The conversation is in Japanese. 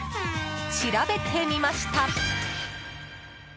調べてみました。